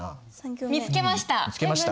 見つけました。